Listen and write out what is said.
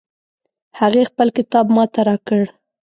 هغې خپل کتاب ما ته راکړ